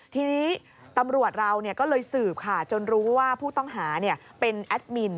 ทีนี้ตำรวจเราก็เลยสืบค่ะจนรู้ว่าผู้ต้องหาเป็นแอดมิน